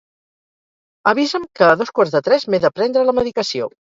Avisa'm que a dos quarts de tres m'he de prendre la medicació.